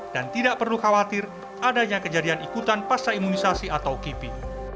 dan tidak perlu khawatir adanya kejadian ikutan pasta imunisasi atau kipi